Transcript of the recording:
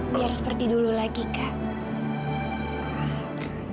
biar seperti dulu lagi kak